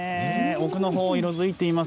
奥のほう、色づいています。